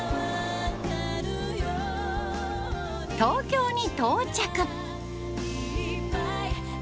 東京に到着。